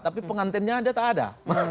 tapi pengantennya ada tak ada